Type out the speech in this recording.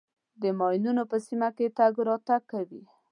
د ماینونو په سیمه کې تګ راتګ کوئ.